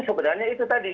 sebenarnya itu tadi